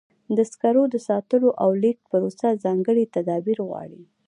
د سکرو د ساتلو او لیږد پروسه ځانګړي تدابیر غواړي.